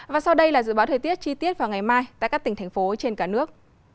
và sau đây là dự báo thời tiết chi tiết vào ngày mai tại các tỉnh thành phố trên cả nước